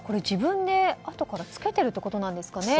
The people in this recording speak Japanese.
自分であとからつけているということなんですかね。